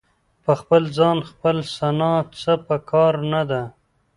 په خپل ځان خپله ثنا څه په کار نه ده.